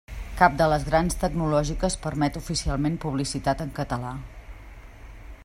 Cap de les grans tecnològiques permet oficialment publicitat en català.